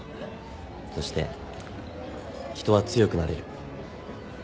そして人は強くなれる。